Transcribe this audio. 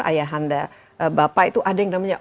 ayahanda bapak itu ada yang namanya